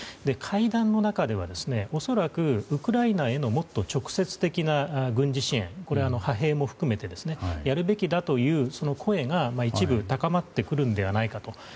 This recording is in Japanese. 会談の中では恐らくウクライナへのもっと直接的な軍事支援、派兵も含めてやるべきだという声が一部高まってくるのではないかと。